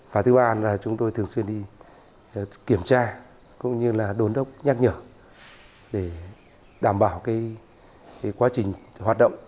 và thứ ba là chúng tôi thường xuyên đi kiểm tra cũng như là đồn đốc nhắc nhở để đảm bảo quá trình hoạt động